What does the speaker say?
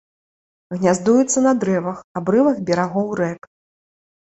Гняздуюцца на дрэвах, абрывах берагоў рэк.